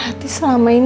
saya sudah menang